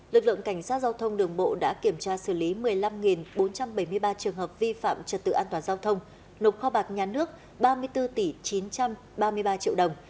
lực lượng cảnh sát giao thông đường bộ đã kiểm tra xử lý một mươi năm bốn trăm bảy mươi ba trường hợp vi phạm trật tự an toàn giao thông nộp kho bạc nhà nước ba mươi bốn chín trăm ba mươi ba triệu đồng